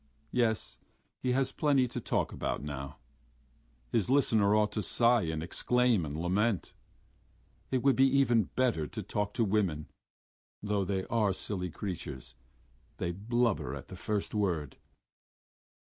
Yes, he has plenty to talk about now. His listener ought to sigh and exclaim and lament.... It would be even better to talk to women. Though they are silly creatures, they blubber at the first word.